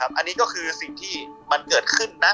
อันนี้ก็คือสิ่งที่มันเกิดขึ้นนะ